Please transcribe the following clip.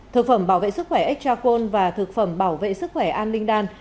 thực phẩm bảo vệ sức khỏe extra col và thực phẩm bảo vệ sức khỏe an linh đan